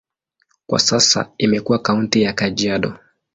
Kwa sasa imekuwa kaunti ya Kajiado.